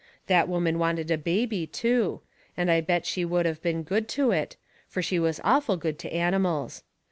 That woman wanted a baby, too, and I bet she would of been good to it, fur she was awful good to animals.